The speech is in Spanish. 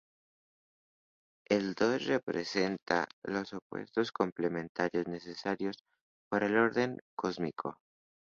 El dos representa los opuestos complementarios necesarios para el orden cósmico.